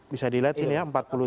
bisa dilihat sini ya